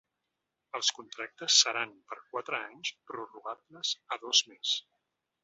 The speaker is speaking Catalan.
Els contractes seran per quatre anys prorrogables a dos més.